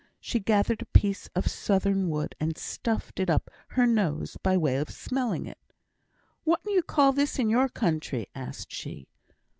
She gathered a piece of southern wood, and stuffed it up her nose, by way of smelling it. "Whatten you call this in your country?" asked she.